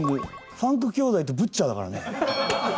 ファンク兄弟とブッチャーだからね。